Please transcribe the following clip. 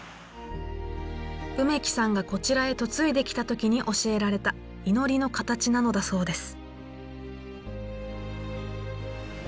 梅木さんがこちらへ嫁いできた時に教えられた祈りの形なのだそうです。